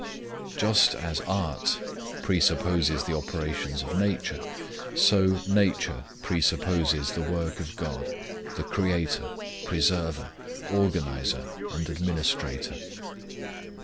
Just as Art presupposes the operations of Nature, so Nature presupposes the work of God, the Creator, Preserver, Organizer, and Administrator.